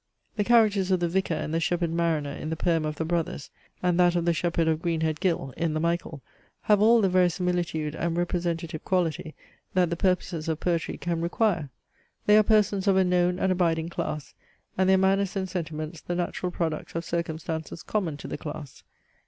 The characters of the vicar and the shepherd mariner in the poem of THE BROTHERS, and that of the shepherd of Green head Ghyll in the MICHAEL, have all the verisimilitude and representative quality, that the purposes of poetry can require. They are persons of a known and abiding class, and their manners and sentiments the natural product of circumstances common to the class.